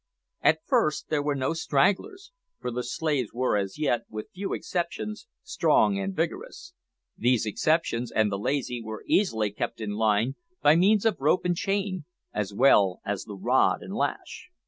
At first there were no stragglers, for the slaves were as yet, with few exceptions, strong and vigorous. These exceptions, and the lazy, were easily kept in the line by means of rope and chain, as well as the rod and lash.